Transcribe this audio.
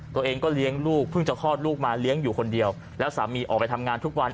ตัวเองก็เลี้ยงลูกเพิ่งจะคลอดลูกมาเลี้ยงอยู่คนเดียวแล้วสามีออกไปทำงานทุกวัน